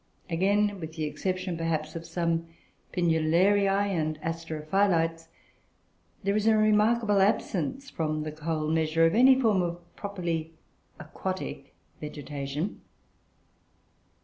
Again, with the exception perhaps of some Pinnularioe, and Asterophyllites, there is a remarkable absence from the coal measures of any form of properly aquatic vegetation.